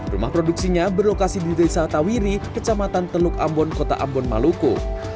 rumah produksinya berlokasi di desa tawiri kecamatan teluk ambon kota ambon maluku